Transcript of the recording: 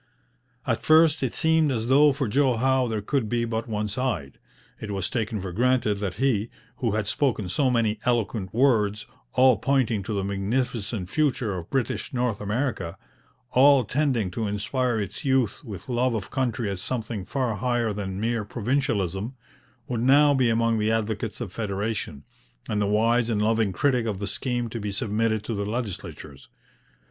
At first it seemed as though for Joe Howe there could be but one side. It was taken for granted that he, who had spoken so many eloquent words, all pointing to the magnificent future of British North America, all tending to inspire its youth with love of country as something far higher than mere provincialism, would now be among the advocates of federation, and the wise and loving critic of the scheme to be submitted to the legislatures.